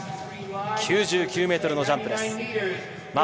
９９ｍのジャンプです。